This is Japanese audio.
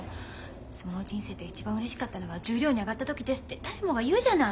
相撲人生で一番うれしかったのは十両に上がった時ですって誰もが言うじゃない。